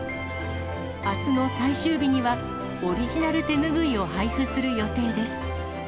あすの最終日には、オリジナル手拭いを配布する予定です。